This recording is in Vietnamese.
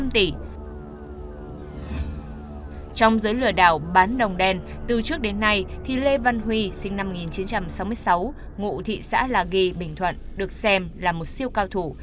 trong giới lừa đảo bán đồng đen từ trước đến nay lê văn huy sinh năm một nghìn chín trăm sáu mươi sáu ngụ thị xã la ghi bình thuận được xem là một siêu cao thủ